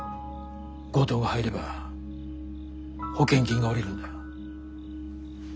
強盗が入れば保険金が下りるんだ。